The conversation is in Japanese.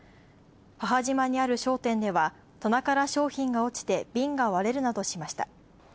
母島にある商店では、棚から商品が落ちてビンが割れるなどしました。